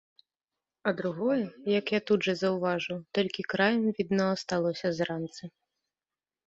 А другое, як я тут жа заўважыў, толькі краем відно асталося з ранца.